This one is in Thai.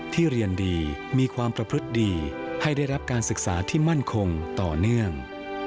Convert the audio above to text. เรียนดีมีความประพฤติดีให้ได้รับการศึกษาที่มั่นคงต่อเนื่อง